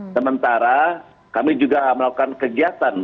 sementara kami juga melakukan kegiatan